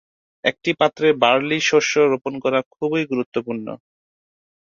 একটি পাত্রে বার্লি শস্য রোপণ করা খুবই গুরুত্বপূর্ণ।